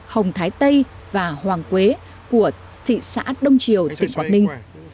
hồng thái tây và hoàng quế của thị xã đông triều tỉnh quảng ninh